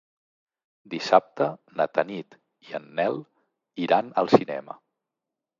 Dissabte na Tanit i en Nel iran al cinema.